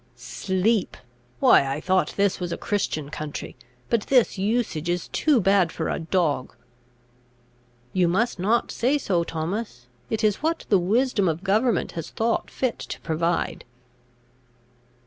"Sleep! Why I thought this was a Christian country; but this usage is too bad for a dog." "You must not say so, Thomas; it is what the wisdom of government has thought fit to provide."